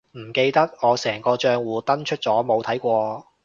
唔記得，我成個帳戶登出咗冇睇過